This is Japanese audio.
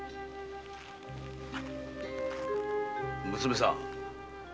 娘さん。